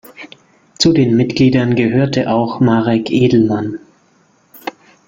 Zu den Mitgliedern gehörte auch Marek Edelman.